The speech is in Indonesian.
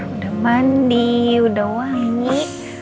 udah mandi udah wangi